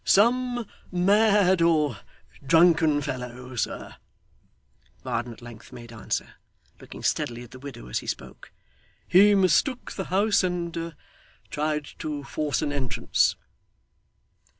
'Some mad or drunken fellow, sir,' Varden at length made answer, looking steadily at the widow as he spoke. 'He mistook the house, and tried to force an entrance.